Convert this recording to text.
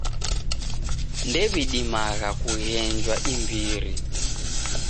Ndew'idimagha kughenjwa imbiri.